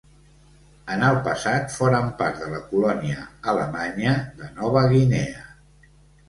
En el passat foren part de la colònia alemanya de Nova Guinea.